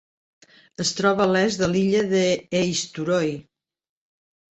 Es troba a l'est de l'illa d'Eysturoy.